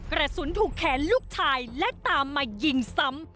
กระสุนถูกแขนลูกชายและตามมายิงซ้ำ